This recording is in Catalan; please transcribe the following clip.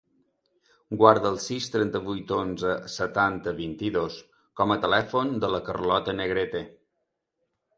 Guarda el sis, trenta-vuit, onze, setanta, vint-i-dos com a telèfon de la Carlota Negrete.